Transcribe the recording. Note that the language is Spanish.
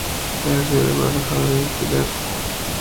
En la ciudad de Guadalajara viven Pilar vda.